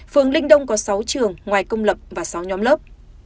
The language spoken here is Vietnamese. phường linh đông có sáu trường ngoài công lập và sáu nhóm lớp